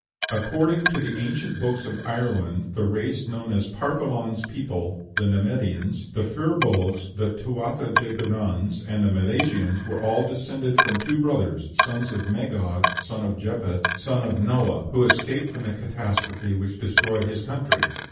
According to the ancient books of Ireland the race known as "Partholan's people," the Nemedians, the Fir Bolgs, the Tuatha de Dananns, and the Milesians were all descended from two brothers, sons of Magog, son of Japheth, son of Noah, who escaped from the catastrophe which destroyed his country.